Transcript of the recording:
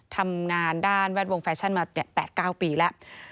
ทำงานด้านแวดวงแฟชั่นมา๘๙ปีแล้ว